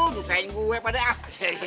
nusain gue padahal